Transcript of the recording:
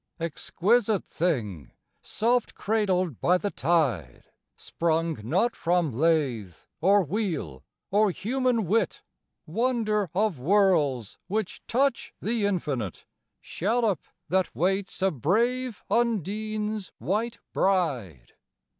Exquisite thing soft cradled by the tide, Sprung not from lathe or wheel or human wit, Wonder of whorls which touch the infinite, Shallop that waits a brave undine's white bride!